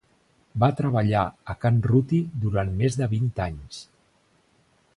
Va treballar a Can Ruti durant més de vint anys.